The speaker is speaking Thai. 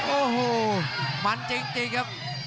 โอ้โหมันจริงครับ